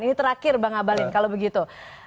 ini terakhir bang abalin kalau begitu